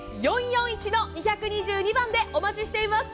０１２０‐４４１‐２２２番でお待ちしています。